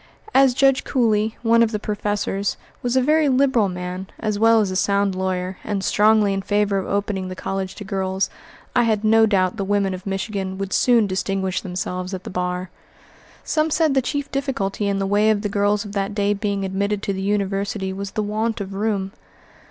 As Judge Cooley, one of the professors, was a very liberal man, as well as a sound lawyer, and strongly in favor of opening the college to girls, I had no doubt the women of Michigan would soon distinguish themselves at the bar. Some said the chief difficulty in the way of the girls of that day being admitted to the University was the want of room.